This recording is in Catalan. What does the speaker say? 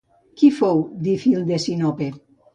Qui fou Dífil de Sinope?